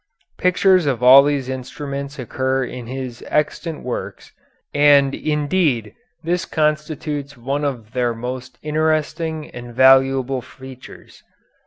Pictures of all these instruments occur in his extant works, and indeed this constitutes one of their most interesting and valuable features.